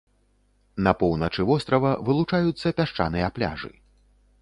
На поўначы вострава вылучаюцца пясчаныя пляжы.